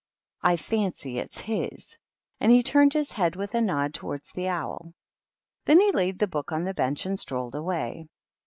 I fancy it's his." And he turned his head with a nod towards the owl. Then he laid the book on the bench and strolled away.